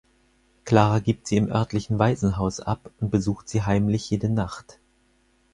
Clara gibt sie im örtlichen Waisenhaus ab und besucht sie heimlich jede Nacht.